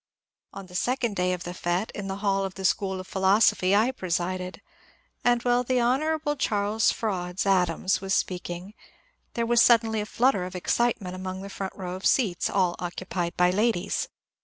On the second day of the fete, in the hall of the School of Philosophy, I presided ; and while the Hon. Charles Frauds THE HAWTHORNE CENTENNIAL 443 Adams was speaking there was suddenly a flutter of excite ment along the front row of seats, all occupied by ladies.